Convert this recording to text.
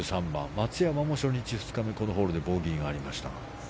松山も初日、２日目このホールでボギーがありました。